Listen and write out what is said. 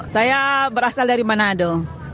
saya berasal dari manado